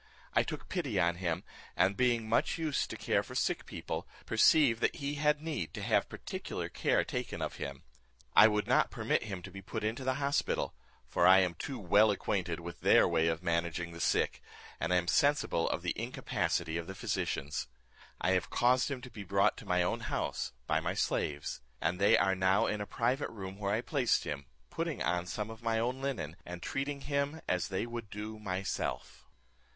I took pity on him, and being so much used to sick people, perceived that he had need to have particular care taken of him. I would not permit him to be put into the hospital; for I am too well acquainted with their way of managing the sick, and am sensible of the incapacity of the physicians. I have caused him to be brought to my own house, by my slaves; and they are now in a private room where I placed him, putting on some of my own linen, and treating him as they would do myself."